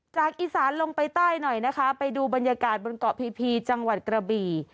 อีสานลงไปใต้หน่อยนะคะไปดูบรรยากาศบนเกาะพีพีจังหวัดกระบี่